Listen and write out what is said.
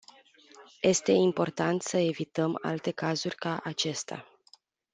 Este important să evităm alte cazuri ca acesta.